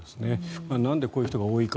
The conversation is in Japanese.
なんでこういう人が多いか。